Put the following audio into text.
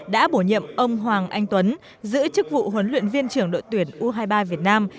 đã bổ nhiệm ông hoàng anh tuấn giữ chức vụ huấn luyện viên trưởng đội tuyển u hai mươi ba việt nam